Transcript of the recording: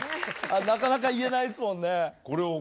なかなか言えないっすもんね。